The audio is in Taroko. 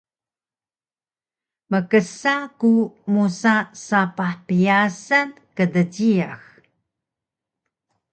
Mksa ku musa sapah pyasan kdjiyax